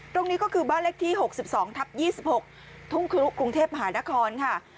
ตรงนี้ก็คือบ้านเลขที่หกสิบสองทับยี่สิบหกทุ่งคลุกกรุงเทพหานครค่ะ